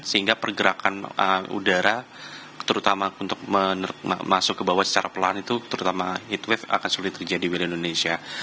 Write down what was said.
sehingga pergerakan udara terutama untuk masuk ke bawah secara perlahan itu terutama heat wave akan sulit terjadi di wilayah indonesia